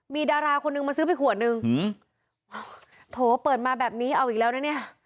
มีดาราคนนึงมาซื้อไปขวดนึงโถเปิดมาแบบนี้เอาอีกแล้วนะเนี่ย